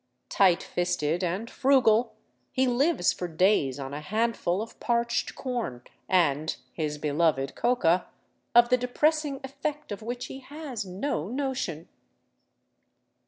Tight fisted and frugal, he lives for days on a handful of parched corn and his beloved coca, of the depressing effect of which he has no notion.